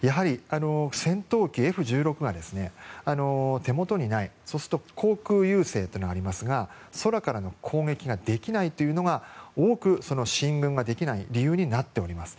戦闘機Ｆ１６が手元にないそうすると航空優勢というのがありますが空からの攻撃ができないのが多く進軍ができない理由になっております。